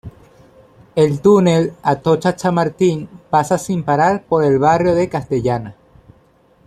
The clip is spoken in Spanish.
El túnel Atocha-Chamartín pasa sin parar por el barrio de Castellana.